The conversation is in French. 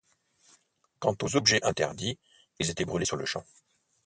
Quant aux objets interdits, ils étaient brûlés sur le champ.